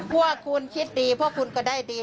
พวกคุณคิดดีพวกคุณก็ได้ดี